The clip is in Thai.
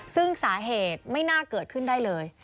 ซึ่งสาเหตุไม่น่าเกิดขึ้นได้เลย